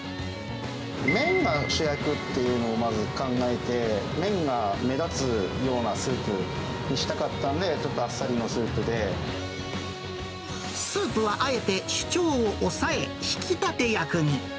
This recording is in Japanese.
麺が主役っていうのをまず考えて、麺が目立つようなスープにしたかったんで、ちょっとあっさりのススープはあえて主張を抑え、引き立て役に。